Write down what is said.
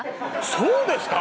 そうですか？